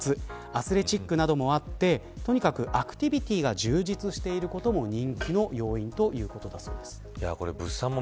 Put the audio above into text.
アスレチックなどもあってとにかくアクティビティが充実していることも人気の要因ということだそうです。